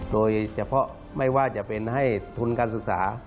โดยเฉพาะไม่ว่าจะเป็นให้ทุนการศึกษา